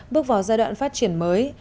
bước vào giai đoạn phát triển mới